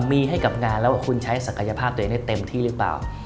มีให้กับงานแล้วคุณใช้ศักยภาพตัวเองได้เต็มที่หรือเปล่า